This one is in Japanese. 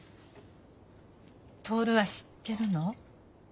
徹は知ってるの？